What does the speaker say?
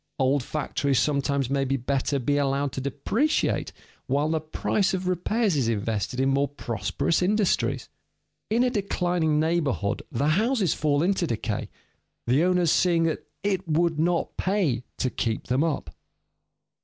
Old factories sometimes may better be allowed to depreciate while the price of repairs is invested in more prosperous industries. In a declining neighborhood the houses fall into decay, the owners seeing that "it would not pay" to keep them up.